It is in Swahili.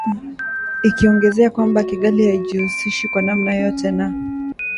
ikiongezea kwamba Kigali haijihusishi kwa namna yoyote na